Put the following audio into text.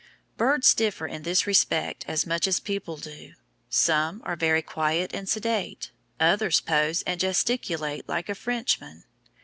Birds differ in this respect as much as people do some are very quiet and sedate, others pose and gesticulate like a Frenchman.